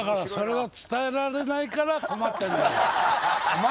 お前